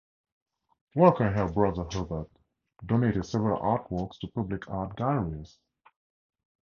Walker and her brother Hubert donated several artworks to public art galleries.